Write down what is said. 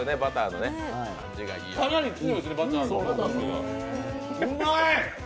かなり強いですね、バターの。